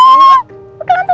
buka lampu ancus